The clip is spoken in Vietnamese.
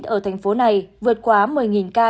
ở thành phố này vượt quá một mươi ca